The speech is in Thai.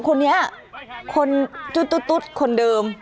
คนนี้คนตุ๊ดตุ๊ดตุ๊ดคนเดิม